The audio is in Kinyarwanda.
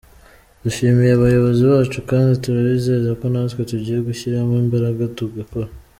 Dushimiye abayobozi bacu kandi turabizeza ko natwe tugiye gushyiramo imbaraga tugakora.